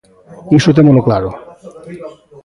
Iso témolo claro.